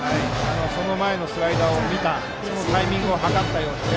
その前のスライダーを見たそのタイミングを計ったように。